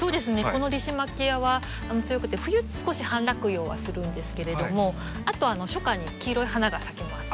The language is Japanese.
このリシマキアは強くて冬少し半落葉はするんですけれどもあと初夏に黄色い花が咲きます。